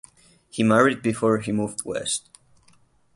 He married before he moved west.